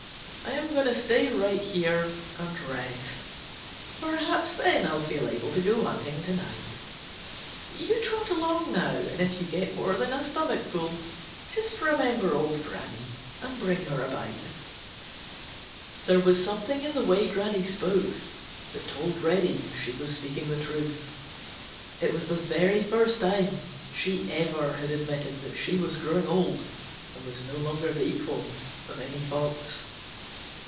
I am going to stay right here and rest. Perhaps then I'll feel able to go hunting to night. You trot along now, and if you get more than a stomachful, just remember old Granny and bring her a bite." There was something in the way Granny spoke that told Reddy she was speaking the truth. It was the very first time she ever had admitted that she was growing old and was no longer the equal of any Fox.